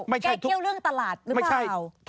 แก้เกี้ยวเรื่องตลาดหรือเปล่าไม่ใช่